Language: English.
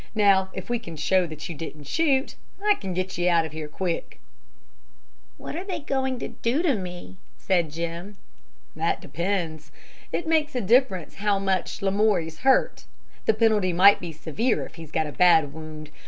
Now if we can show that you didn't shoot, I can get you out of here quick." "What they going to do to me?" said Jim. "That depends. It makes a difference how much Lamoury's hurt. The penalty might be severe if he's got a bad wound.